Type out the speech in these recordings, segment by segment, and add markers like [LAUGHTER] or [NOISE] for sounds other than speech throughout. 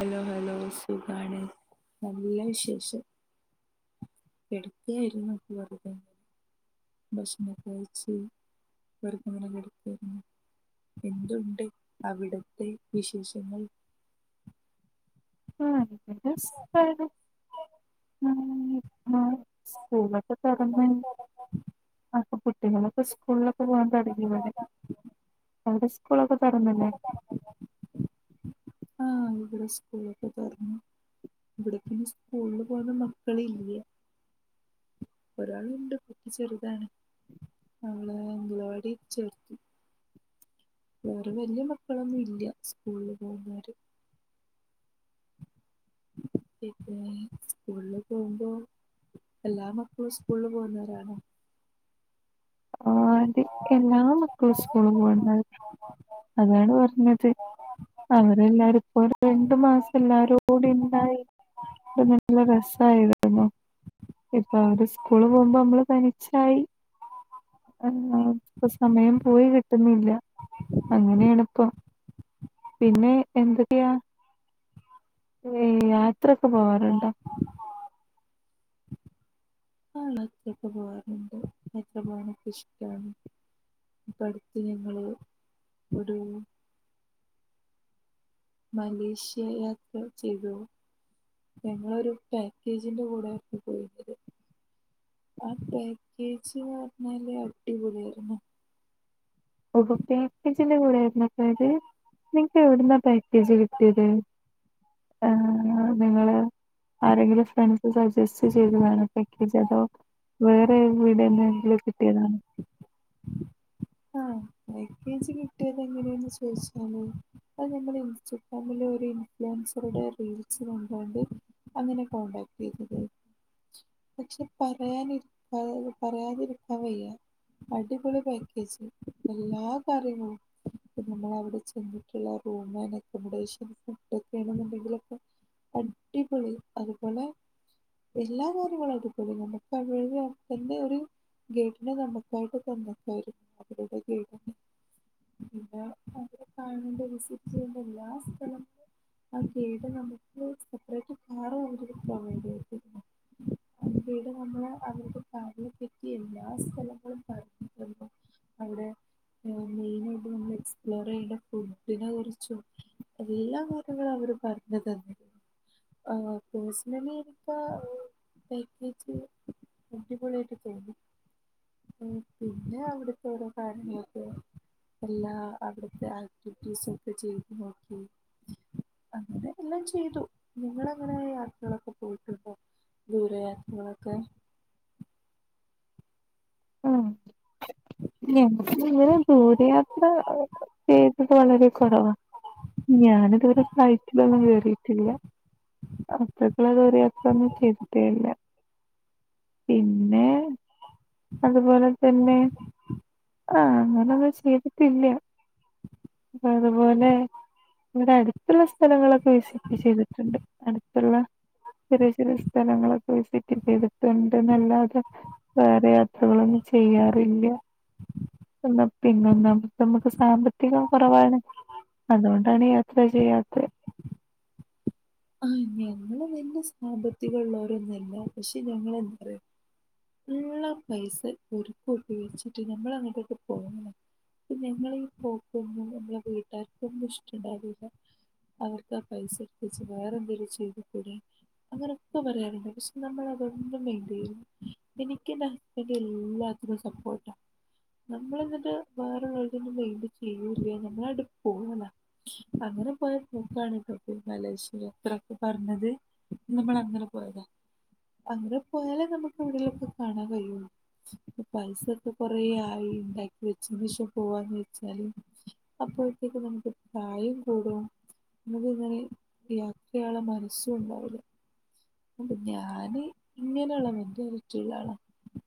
Hello hello സുഖാണ് നല്ല വിശേഷം കിടക്കയായിരുന്നു വെറുതെ ഭക്ഷണൊ കഴിച്ച് വെറുതെ ഇങ്ങനെ കിടക്കാരുന്നു എന്തുണ്ട് അവിടത്തെ വിശേഷങ്ങൾ? ആ [UNINTELLIGIBLE] ഇനി ഇപ് നാളെ സ്കൂള തുറന്ന് അപ്പ കുട്ടികളൊക്കെ സ്കൂളിലൊക്കെ പോവാൻ തുടങ്ങി ഇവിടെ അവിടെ സ്കൂളൊക്കെ തുറന്നില്ലേ? ആഹ ഇവിടെ സ്കൂളൊക്കെ തുറന്നു ഇവിടക്കെ സ്കൂളിൽ പോന്ന മക്കള് ഇല്ല ഒരാള് ഇണ്ട് ചെറുതാണ് അവളെ അംഗലവാടിയിൽ ചേർത്തി വേറെ വല്യ മക്കളൊന്നും ഇല്ല സ്കൂളില് പോകുന്നോര് പിന്നെ സ്കൂളില് പോകുമ്പോ എല്ലാ മക്കളും സ്കൂളില് പോകുന്നവരാണോ [UNINTELLIGIBLE] എല്ലാ മക്കളും സ്കൂള് പോണ്ട അതാണ് പറഞ്ഞത് അവരെല്ലാരും ഇപ്പോ ഒരു രണ്ടു മാസം എല്ലാരും കൂടി ഇണ്ടായി അപ്പോ നല്ല രസമായിരുന്നു. ഇപ്പ അവര് സ്കൂള് പോകുമ്പോ നമ്മള് തനിച്ചായി. ആ ഇപ്പൊ സമയം പോയി കിട്ടുന്നില്ല അങ്ങനെയാണ് ഇപ്പൊ പിന്നെ എന്തൊക്കെയാ [UNINTELLIGIBLE] യാത്രയൊക്കെ പോവാറുണ്ടോ? ആ യാത്ര ഒക്കെ പോവാറുണ്ട് യാത്ര പോവാനൊക്കെ ഇഷ്ടാണ് ഇപ്പ അടുത്ത് ഞങ്ങള് ഒരു മലേഷ്യ യാത്ര ചെയ്തു ഞങ്ങളൊരു പാക്കേജിന്റെ കൂടെ ആയിരുന്നു പോയിത് ആ പാക്കേജ് പറഞ്ഞാലേ അടിപൊളിയായിരുന്നു. ഓഹ് ഓഹ് പാക്കേജിന്റെ കൂടെയായിരുന്നു പോയത് നിങ്ങക്ക് എവിടുന്നാ പാക്കേജ് കിട്ടിയത് ഏ നിങ്ങള് ആരെങ്കിലും ഫ്രണ്ട്സ് സജസ്റ്റ് ചെയ്തതാണോ പാക്കേജ് അതോ വേറെ എവിടുന്നെങ്കിലും കിട്ടിയതാണോ? ആ പാക്കേജ് കിട്ടിയത് എങ്ങനെയന്ന് ചോദിച്ചാല് അത് നമ്മള് ഇൻസ്റ്റഗ്രാമില് ഒരു ഇൻഫ്ലുവൻസറുടെ റീൽസ് കണ്ടോണ്ട് അങ്ങനെ കോണ്ടാക്ട് ചെയ്തത് പക്ഷെ പറയാന് പറയാന് പറയാതിരിക്ക വയ്യ അടിപൊളി പാ ക്കേജ് എല്ലാ കാര്യങ്ങളും നമ്മൾ അവിടെ ചെന്നിട്ടുള്ള റൂം ആൻഡ് അക്കമഡേഷൻ ഫുഡ്ഡോക്കെയാണെന്നുണ്ടെങ്കിലൊക്കെ അടിപൊളി അതുപോലെ എല്ലാ കാര്യങ്ങളും അടിപൊളി നമുക്ക് ഒരു [UNINTELLIGIBLE] ഗേഡിനെ നമുക്കായിട്ട് തന്നു. [UNINTELLIGIBLE] അവിടെ കാണണ്ട വിസിറ്റ് ചെയ്യണ്ട എല്ലാ സ്ഥലങ്ങളും ആ ഗൈഡ് നമുക്ക് സെപ്പറേറ്റ് കാറ് അവര് പ്രൊവൈട് ചെയ്തു ആ ഗൈഡ് നമ്മള് അവരുടെ കാറില് പിക്ക് ചെയ്ത് എല്ലാ സ്ഥലങ്ങളും [UNINTELLIGIBLE] അവിടെ ഏഹ് മെ എക്സ്പ്ലോറെയ്യണ്ട ഫുഡിനെ കുറിച്ചും എല്ലാ കാര്യങ്ങളും അവര് പറഞ്ഞു തന്നിരുന്നു ആഹ് പേഴ്സണലി എനിക്ക് ആ പാക്കേജ് അടിപൊളിയായിട്ട് തോന്നി ഉം പിന്നെ അവിടുത്തെ ഓരോ കാര്യങ്ങളൊക്കെ എല്ലാ അവിടുത്തെ ആക്ടിവിറ്റീസ് ഒക്കെ ചെയ്ത് നോക്കി അങ്ങനെ എല്ലാം ചെയ്തു നിങ്ങള് അങ്ങനെ യാത്രകളൊക്കെ പോയിട്ടുണ്ടോ ദൂരയാത്രകളൊക്കെ? ഉം ഞങ്ങക്ക് ഇങ്ങനെ ദൂരയാത്ര ചെയ്തത് വളരെ കുറവാ ഞാനിതുവരെ ഫ്ലൈറ്റിലൊന്നും കേറിട്ടില്ല അത്രക്കുള്ള ദൂരയാത്ര ഒന്നും ചെയ്തിട്ടേയില്ല പിന്നെ അതുപോലെ തന്നെ ആഹ് ഞാൻ [UNINTELLIGIBLE] ട്ടില്ല അപ്പൊ അതുപോലെ ഇവിടെ അടുത്തുള്ള സ്ഥലങ്ങളൊക്കെ വിസിറ്റ് ചെയ്തിട്ടുണ്ട്, അടുത്തുള്ള ചെറിയ ചെറിയ സ്ഥലങ്ങളൊക്കെ വിസിറ്റ് ചെയ്തി ട്ടുണ്ടെല്ലാതെ വേറെ യാത്രകളൊന്നും ചെയ്യാ ട്ടില്ല എന്നാ പിന്നെന്താ നമുക്ക് സാമ്പത്തികം കുറവാണ്. അതുകൊണ്ടാണ് യാത്ര ചെയ്യാത്തേ. ആഹ് ഞങ്ങള് നല്ല സാമ്പത്തികമുള്ളവരൊന്നല്ല പക്ഷെ ഞങ്ങള് എന്താറയോ ഉള്ള പൈസ ഒരുക്കൂട്ടി വെച്ചിട്ട് നമ്മൾ അങ്ങോട്ടേക്ക് പോണം പിന്നെ ഇങ്ങളീ പോക്കന്നും നമ്മളെ വീട്ടുകാർക്കൊന്നും ഇഷ്ടണ്ടാവില്ല അവർക്ക് ആ പൈസ എടുത്തിച്ച് വേറെ എന്തെങ്കിലും ചെയ്ത് കൂടി അങ്ങനെയൊക്കെ പറയാറിണ്ട് പക്ഷെ നമ്മൾ അതൊന്നും മൈൻഡ് പിന്നെ എനിക്ക് എന്റെ ഹസ്ബൻഡ് എല്ലാത്തിനും സപ്പോർട്ടാ നമ്മൾ എന്നിട്ട് വേറുള്ളോരുത് മൈൻഡ് ചെയ്യൂല്ല നമ്മളങ്ങട്ട് പോവന്നെ അങ്ങനെ പോയ പോക്കാണിത് മലേഷ്യ, ഇത്രക്കെ പറഞ്ഞത് നമ്മൾ അങ്ങനെ പോയതാ അങ്ങനെ പോയാല് നമു ഇപ്പം എവിടെലൊക്കെ കാണാൻ കഴിയുള്ളൂ പൈസൊക്കെ കൊറേ ആയി ഉണ്ടാക്കി വെച്ചേനേഷം പോവാന്ന് വെച്ചാല് അപ്പോഴത്തേക്ക് നമുക്ക് പ്രായം കൂടും നമുക്ക് ഇങ്ങനെ യാത്ര ചെയ്യാനുള്ള മനസ്സും ഉണ്ടാവുല. പിന്നെ ഞാന് ഇങ്ങനെയുള്ള മെന്റാലിറ്റി ഉള്ള ആളാ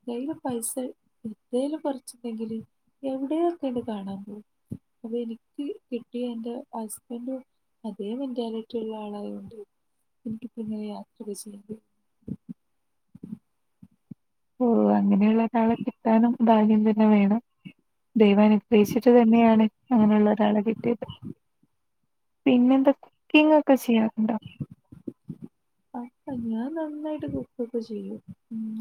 കയ്യില് പൈസ എന്തേലും കൊറച്ചുണ്ടെങ്കില് എവിടെക്കെയായിട്ട് കാണാൻ പോകും അപ്പ എനിക്ക് കിട്ടിയ എൻ്റെ ഹസ്ബൻഡും അതേ മെന്റാലിറ്റി ഉള്ള ആളായത് കൊണ്ട് എനിക്കിപ്പങ്ങനെ യാ അത് ശരി. ഓ അങ്ങനെയുള്ള ഒരാളെ കിട്ടാനും ഭാഗ്യം തന്നെ വേണം. ദൈവം അനുഗ്രഹിച്ചിട്ട് തന്നെയാണ് അങ്ങനെയുള്ള ഒരാളെ കിട്ടിയത്. പിന്നെന്ത്‌ കുക്കിങ്ങ് ഒക്കെ ചെയ്യാറുണ്ടോ? അപ്പൊ ഞാൻ നന്നായിട്ട് കുക്കൊക്കെ ചെയ്യും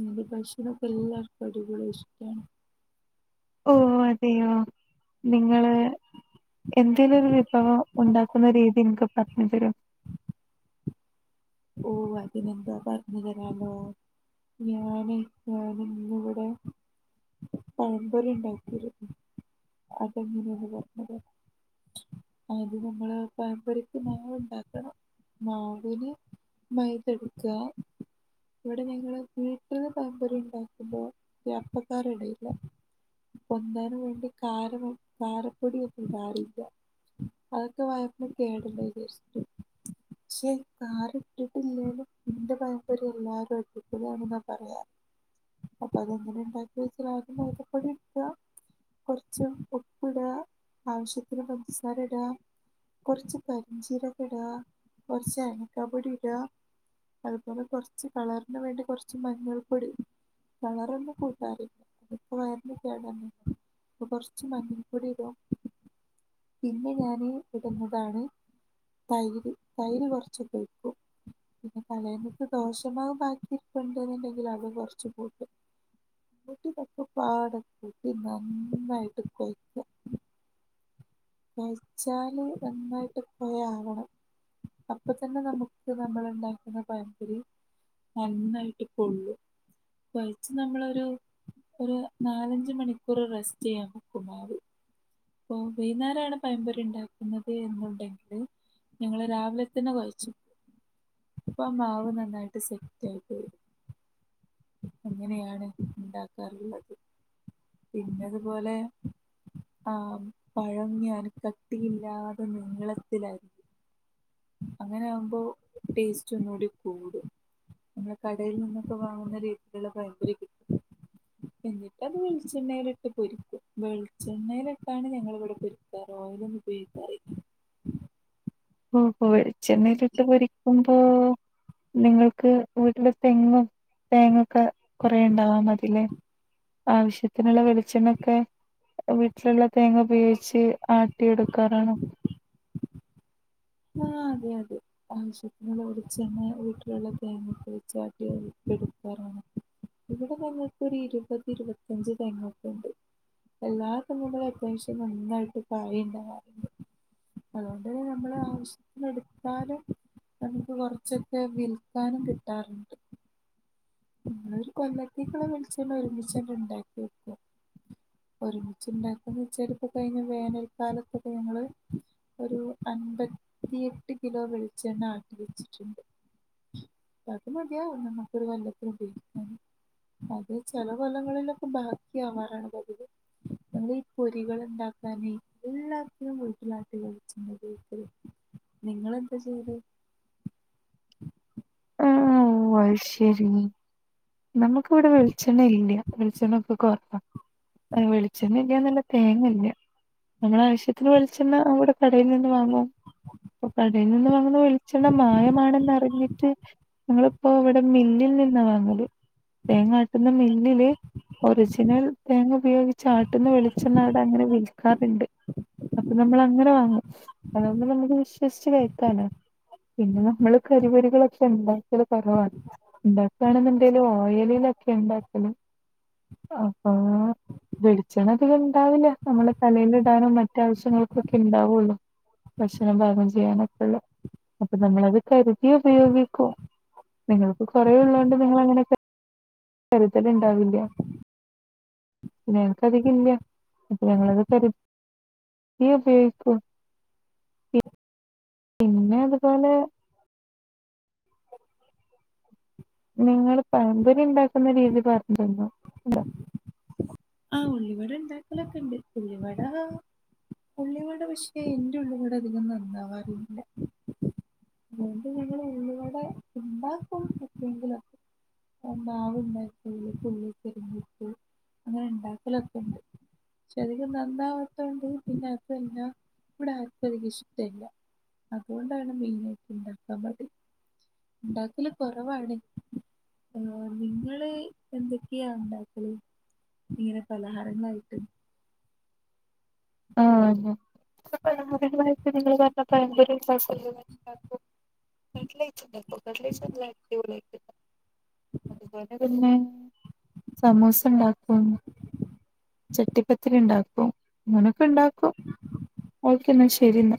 ൻ്റ ഭക്ഷണം എല്ലാർക്കും അടിപൊളി ഇഷ്ട്ടാണ്. ഓ അതെയോ? നിങ്ങള് എന്തേലും ഒരു വിഭവം ഉണ്ടാക്കുന്ന രീതി ഇൻക്ക് പറഞ്ഞു തരോ? ഓ അതിനെന്താ പറഞ്ഞു തരാലോ ഞാനിപ്പൊ ഇന്നിവിടെ പഴംപൊരി ഉണ്ടാക്കിരുന്നു അതെങ്ങനെന്ന് പറഞ്ഞ് തരാ ആദ്യ നമ്മള് പഴംപൊരിക്ക് മാവ് ഉണ്ടാക്കണം മാവിന് മൈദ എട്ക്ക ഇവിടെ ഞങ്ങള് വീട്ടില് പഴംപൊരി ഉണ്ടാക്കുമ്പോ ഈ അപ്പക്കാര ഇടലില്ല പൊന്താനും വേണ്ടി കാരവും കാരപ്പൊടി ഒന്നും കാരില്ല അതൊക്കെ വയറിന് കേടല്ലെ വിചാരിച്ചിട്ട് ക്ഷെ കാരം ഇട്ടിട്ടില്ലേലും ന്റെ പഴംപൊരി എല്ലാരും അടിപൊളിയാണെന്നാ പറയ്യാ അപ്പൊ അതെങ്ങനെ ഉണ്ടാക്കിയച്ചാൽ ആദ്യം മൈദപൊടി ഇട്ക്ക കൊറച്ച് ഉപ്പ്ടാ ആവശ്യത്തിന് പഞ്ചസാര ഇടാ കൊറച്ച് പെര്ഞ്ചീരക ഇടാ കൊറച്ച് അരി പൊടി ഇടാ അതുപോലെ കൊറച്ച് കളറിന് വേണ്ടി കൊറച്ച് മഞ്ഞൾ പൊടി കളറൊന്നും കൂട്ടാറില്ല അതിപ്പോ വയറിനു കേടാ അപ്പ കൊറച്ച് മഞ്ഞൾ പൊടി ഇടും പിന്നെ ഞാാന് ഇടുന്നതാണ് തൈര് തൈര് കൊർച്ച് കൊയ്കും പിന്നെ തലേന്നത്തേ ദോഷമാവ് ബാക്കിരിപ്പുണ്ട് എന്നുണ്ടെങ്കിൽ അതും കൊർച്ച് കൂട്ടും എന്നിട്ട് ഇതൊക്കെ പാടെ കൂട്ടി നന്നായിട്ട് കൊയ്ക്കും. കൊഴിച്ചാല് നന്നായിട്ട് കൊഴ ആകണം അപ്പൊ തന്നെ നമുക്ക് നമ്മൾ ഇണ്ടാക്കുന്ന പയംപൊരി നന്നായിട്ട് പൊള്ളും കൊഴച്ച് നമ്മളൊരു ഒര് നാലഞ്ച് മണിക്കൂർ റെസ്റ്റ് ചെയ്യാൻ വെക്കും മാവ് ഇപ്പം വൈന്നേരം ആണ് പയംപൊരി ഉണ്ടാക്കുന്നത് എന്നുണ്ടെങ്കില് ഞങ്ങള് രാവിലെ തന്നെ കൊഴച്ചിക്കും അപ്പൊ ആ മാവ് നന്നായിട്ട് സെറ്റ് ആയിട്ട് വരും അങ്ങനെയാണ് ഉണ്ടാക്കാറുള്ളത് പിന്നതുപോലെ ആ പഴം ഞാൻ കട്ടിയില്ലാതെ നീളത്തിലരിയും അങ്ങനെ ആകുമ്പോ ടേസ്റ്റ് ഒന്നൂടി കൂടും പിന്നെ കടയിൽ നിന്നൊക്ക വാങ്ങുന്ന രീതിലുള്ള പഴംപൊരി കിട്ടും എന്നിട്ട് അത് വെളിച്ചെണ്ണയിലിട്ട് പൊരിക്കും വെളിച്ചെണ്ണേലെ പ്പാണ് ഞങ്ങളിവിടെ പൊരിപ്പാറ് ഓയ്ലൊന്നും ഉപയോഗിക്കാറില്ല ഓ ഒ വെളിച്ചെണ്ണേലിട്ട് പൊരിക്കും പ്പോ നിങ്ങൾക്ക് വീട്ടില് തെങ്ങും തേങ്ങ ഒക്ക കൊറേ ഇണ്ടാവാ മതിലെ ആവശ്യത്തിനുള്ള വെളിച്ചെണ്ണൊക്കെ വീട്ടിലുള്ള തേങ്ങ ഉപയോഗിച്ച് ആട്ടിയെടുക്കാറാണ് ആ അതെ അതെ ആവശ്യത്തിനുള്ള വെളിച്ചെണ്ണ വീട്ടിലുള്ള തേങ്ങ ഉപയോഗിച് ആട്ടി എട് എടുക്കാറാണ് ഇവിടെ ങ്ങൾക്ക് ഇരുപത് ഇരുപത്തഞ്ച് തെങ്ങൊക്കെ ഉണ്ട് എല്ലാ തെങ്ങ്കളും അത്യാവശ്യം നന്നായിട്ട് കായ ഉണ്ടാവാാറുണ്ട് അതുകൊണ്ട് തന്നെ നമ്മളാവ് എട്ത്താലും നമുക്ക് കൊർച്ചൊക്കെ വിൽക്കാനും കിട്ടാറുണ്ട് ഒരു കൊല്ലത്തേക്കുള്ള വെള്ച്ചെണ്ണ ഒരുമിച്ചങ്ങിണ്ടാക്കി വെക്കും ഒരുമിച്ച് ഇണ്ടാക്കുന്ന് വെച്ചാ ഇപ്പ കഴിഞ്ഞ വേനൽക്കാലത്തൊക്കെ ഞങ്ങള് ഒരു അൻമ്പത്തിയെട്ട് കിലോ വെളിച്ചെണ്ണ ആട്ടി വെച്ചിട്ടുണ്ട് അത് മതിയാകും നമുക്കൊരു കൊല്ലത്തിനു പയോഗിക്കാന് അത് ചെല കൊല്ലങ്ങളിലൊക്കെ ബാക്കിയാവാറാണ് പതിവ് ഞങ്ങൾ ഈ പൊരികൾ ഉണ്ടാക്കാനെ എല്ലാത്തിനും വീട്ടിലാട്ടിയവെളിച്ചെണ്ണേ ഉപയോഗിക്കല് നിങ്ങളെന്താ ചെയ്യല് ഓ അയി ശെരി മ് നമുക്ക് ഇവിടെ വെളിച്ചെണ്ണ ഇല്ല്യാ വെളിച്ചെണ്ണ ഒക്കെ കൊറവാ വെളിച്ചെണ്ണ ഇല്ല്യാന്നല്ല തേങ്ങല്ല്യാ നമ്മളെ ആവശ്യത്തിന് വെളിച്ചെണ്ണ നമ്മള് കടയിൽ നിന്ന് വാങ്ങും ഇപ്പൊ കടയിൽ നിന്ന് വാങ്ങുന്ന വെളിച്ചെണ്ണ മായമാണെന്നറിഞ്ഞിട്ട് ഞങ്ങളിപ്പോ ഇവിടെ മില്ലിൽ നിന്നാ വാങ്ങല് തേങ്ങാട്ടുന്ന മില്ലില് ഒറിജിനൽ തേങ്ങ ഉപയോഗിച്ച് ആട്ടുന്ന വെളിച്ചെണ്ണ അവ്ടെ അങ്ങനെ വിൽക്കാറുണ്ട് അപ്പൊ നമ്മൾ അങ്ങനെ വാങ്ങും അതോണ്ട് നമുക്ക് വിശ്വസിച്ച് കഴിക്കാലോ പിന്നെ നമ്മള് കരിപൊരികളൊക്കെ ഉണ്ടാക്കല് കൊറവാാണ് ഉണ്ടാക്കാണെന്നു പ്പ അയ്ന് ഓയലിലൊക്കെണ് ഇണ്ടാക്കണ അപ്പൊ വെളിച്ചെണ്ണ അതിൽ ഉണ്ടാവില്ല നമ്മള തലേൽ ഇടാനോ മറ്റോ ആവശ്യങ്ങൾക്കൊക്കെ ഉണ്ടാവുള്ളു ഭക്ഷണം പാകം ചെയ്യാനൊക്കുള്ളു അപ്പൊ നമ്മൾ അത് കരുതി ഉപയോഗിക്കുക നിങ്ങൾക്ക് കുറേ ഉള്ളോണ്ട് നിങ്ങളങ്ങനൊക്കെ കരുതല് ഉണ്ടാവില്ല ഞങ്ങക്ക് അധികം ഇല്ല അപ്പ ഞങ്ങളത് കരുത് തി പയോഗിക്കും പിന്നെ അത് പോലെ നിങ്ങള് പഴംപൊരി ഉണ്ടാക്കുന്ന രീതി പറഞ് തന്നു ഉണ്ടൊ ആ ഉള്ളിവട ഉണ്ടാക്കലൊക്കെ ഉണ്ട് ഉള്ളിവട ഉള്ളിവട പക്ഷെ എന്റെ ഉള്ളിവട അധികം നന്നാവാറില്ല അതുകൊണ്ട് ഞങ്ങ ഉള്ളിവട ഉണ്ടാക്കും എപ്പോഴെകിലൊക്കെ ഉണ്ടാക്കിയതിൽ ഉള്ളി കരിഞ്ഞിട്ട് അങ്ങനെ ഉണ്ടാക്കലൊക്കെ ഉണ്ട് പക്ഷെ അധികം നന്നാവാത്തോണ്ട് പിന്നെ അതെല്ല ഇവിടെ ആർക്കും അതികം ഇഷ്ടല്ല അതുകൊണ്ടാണ് മെയിൻ ആയിട്ട്ണ്ടാക്കാൻ മടി ഉണ്ടാക്കല് കുറവാണ് ഏ നിങ്ങള് എന്തൊക്കെയാ ഉണ്ടാക്കല്. ഇങ്ങനെ പലഹാരങ്ങളായിട്ട് ആ ഇവിടെ പലഹാരങ്ങളായിട്ട് ഞങ്ങള് മറ്റേ പഴം പൊരി ഉണ്ടാക്കും [UNINTELLIGIBLE] അടിപൊളിയായിട്ട് അത്പോലെതന്നെ സമൂസ ഉണ്ടാക്കും ചട്ടിപ്പത്തിരിണ്ടാക്കും ഇങ്ങന ക്കണ്ടാക്കും ഓക്കെ എന്നാ ശെരിന്നാ